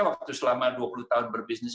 waktu selama dua puluh tahun berbisnis